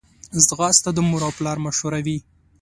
ځغاسته د مور او پلار مشوره وي